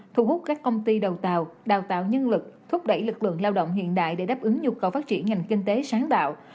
thu hút các công ty đầu tàu đào tạo nhân lực thúc đẩy lực lượng lao động hiện đại để đáp ứng nhu cầu phát triển ngành kinh tế sáng tạo